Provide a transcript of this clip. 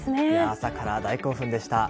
朝から大興奮でした。